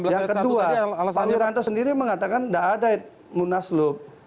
yang kedua pak wiranto sendiri mengatakan tidak ada munaslup